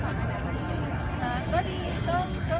แม่กับผู้วิทยาลัย